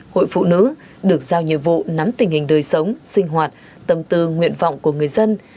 hội phụ nữ được giao nhiệm vụ nắm tình hình đời sống sinh hoạt tâm tư nguyện vọng của người dân